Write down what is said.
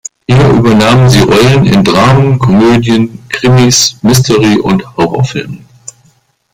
Hier übernahm sie Rollen in Dramen, Komödien, Krimis, Mystery- und Horrorfilmen.